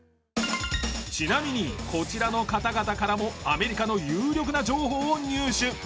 ちなみにこちらの方々からもアメリカの有力な情報を入手。